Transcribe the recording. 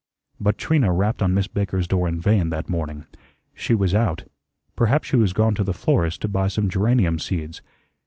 But Trina rapped on Miss Baker's door in vain that morning. She was out. Perhaps she was gone to the florist's to buy some geranium seeds.